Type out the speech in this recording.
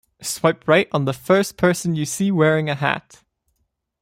Swipe right on the first person you see wearing a hat.